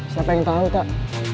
siapa yang tau kak